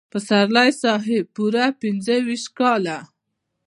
پسرلي صاحب پوره پنځه شپېته کاله.